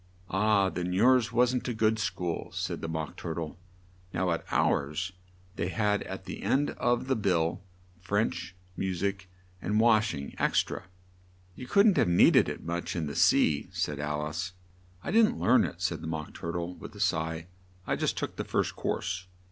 "Ah! then yours wasn't a good school," said the Mock Tur tle. "Now at ours they had at the end of the bill, 'French, mu sic, and wash ing ex tra.'" "You couldn't have need ed it much in the sea," said Al ice. "I didn't learn it," said the Mock Tur tle, with a sigh. "I just took the first course."